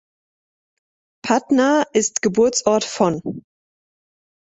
Patna ist Geburtsort von